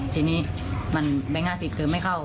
ทีนี้มันแบ่งงานสิทธิ์เติมไม่เข้า